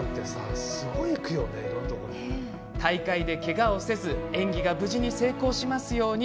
大会で、けがをせず演技が無事に成功しますように。